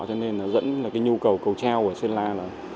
cho nên là dẫn là cái nhu cầu cầu treo của sơn la là